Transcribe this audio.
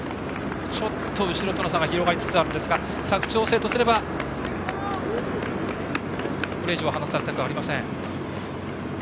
ちょっと後ろとの差が広がりつつありますが佐久長聖とすればこれ以上、離されたくありません。